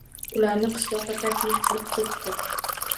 Ularni qishloqqa taklif qilib ketdi.